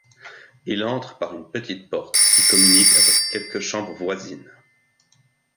Il entre par une petite porte qui communique avec quelque chambre voisine.